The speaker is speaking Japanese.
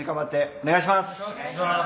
お願いします。